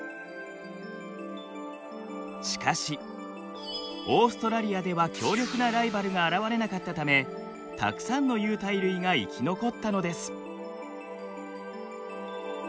しかしオーストラリアでは強力なライバルが現れなかったためたくさんの有袋類が生き残ったのです。